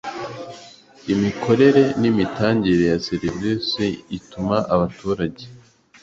imikorere n imitangire ya serivisi ituma abaturage